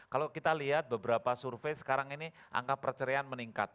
kalau kita lihat beberapa survei sekarang ini angka perceraian meningkat